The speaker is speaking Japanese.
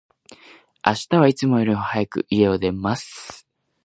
明日は、いつもより早く、家を出ます。